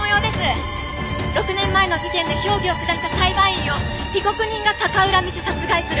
６年前の事件で評議を下した裁判員を被告人が逆恨みし殺害する。